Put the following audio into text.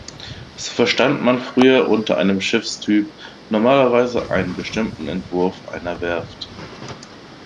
So verstand man früher unter einem Schiffstyp normalerweise einen bestimmten Entwurf einer Werft.